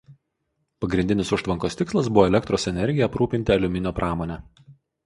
Pagrindinis užtvankos tikslas buvo elektros energija aprūpinti aliuminio pramonę.